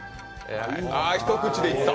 一口でいった。